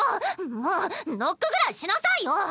もうノックぐらいしなさいよ！